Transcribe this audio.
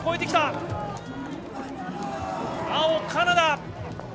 青、カナダ！